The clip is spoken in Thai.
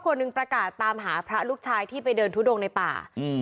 คนหนึ่งประกาศตามหาพระลูกชายที่ไปเดินทุดงในป่าอืม